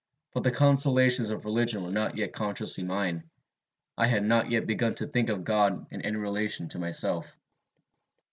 But the consolations of religion were not yet consciously mine. I had not yet begun to think of God in any relation to myself.